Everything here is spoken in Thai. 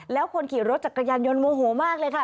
แล้วคนขี่รถจักรยานยนต์โมโหมากเลยค่ะ